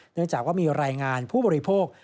เนื่องจากว่ามีรายงานผู้บริโภค